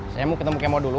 saya mau ketemu kemo dulu